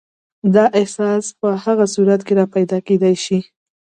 دا احساس په هغه صورت کې راپیدا کېدای شي.